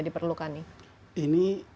diperlukan nih ini